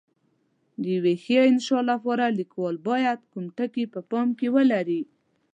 د یوې ښې انشأ لپاره لیکوال باید کوم ټکي په پام کې ولري؟